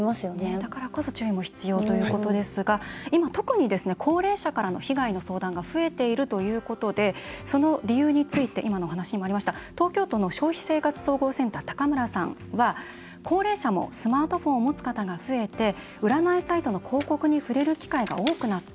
だからこそ注意も必要ということですが今、特に高齢者からの相談が増えているということでその理由について今のお話にもあった東京都の消費生活総合センターの高村さんは高齢者もスマートフォンを持つ方が増えて占いサイトの広告に触れる機会が多くなった。